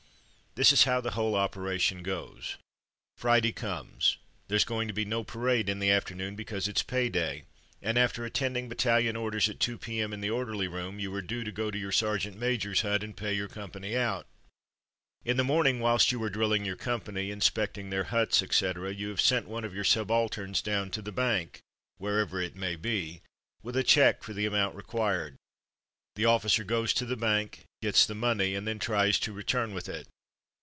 This is how the whole operation goes: Friday comes. There's going to be no parade in the afternoon because it's pay day, and after attending battalion orders at 2 F^.M. in the orderly room, you are due to Company Pay Day 27 go to your sergeant major's hut and pay your company out. In the morning, whilst you are drilling your company, inspecting their huts, etc., you have sent one of your subalterns down to the bank, wherever it may be, with a cheque for the amount required. This officer goes to the bank, gets the money, and then tries to return with it.